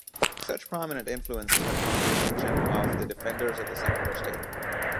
Such prominent influences have drawn the attention of the defenders of the secular state.